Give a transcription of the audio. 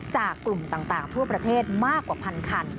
กลุ่มต่างทั่วประเทศมากกว่าพันคัน